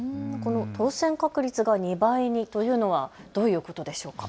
当せん確率が２倍にというのはどういうことでしょうか。